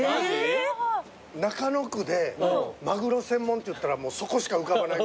中野区でマグロ専門っていったらそこしか浮かばないぐらい。